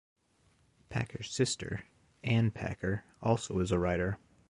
Packer's sister, Ann Packer, also is a writer.